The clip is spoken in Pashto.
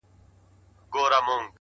د سترگو توره سـتــا بـلا واخلـمـه ـ